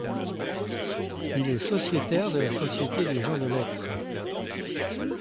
Il est sociétaire de la Société des gens de lettres.